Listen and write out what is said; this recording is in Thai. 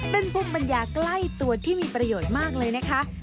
เป็นภูมิปัญญาใกล้ตัวที่มีประโยชน์มากเลยนะคะ